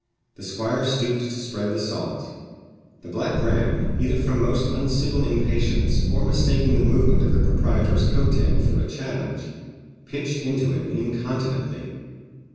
The squire stooped to spread the salt. The black ram, either from most uncivil impatience, or mistaking the movement of the proprietor's coat tail for a challenge, pitched into him incontinently.